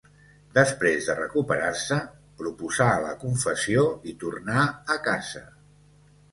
Després de recuperar-se, posposà la confessió i tornà a casa.